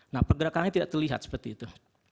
nah pergerakannya tidak terlihat seperti itu